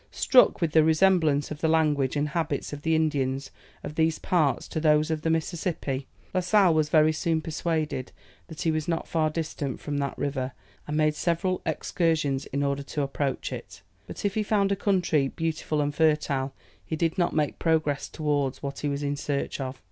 Struck with the resemblance of the language and habits of the Indians of these parts to those of the Mississippi, La Sale was very soon persuaded that he was not far distant from that river, and made several excursions in order to approach it. But, if he found a country beautiful and fertile, he did not make progress towards what he was in search of.